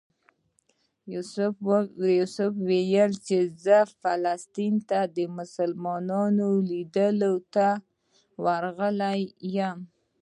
یوسف ویل چې زه فلسطین ته د مسلمانانو لیدلو ته راغلی یم.